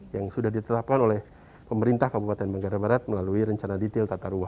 yang sudah ditetapkan oleh pemerintah kabupaten banggarabarat melalui rencana detail tata ruah